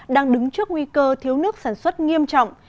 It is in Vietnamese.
đang đứng trước nguy cơ thiếu nước sản xuất nghiêm trọng